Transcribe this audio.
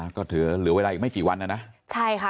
ก็ถือเหลือเวลาอีกไม่กี่วันนะนะใช่ค่ะ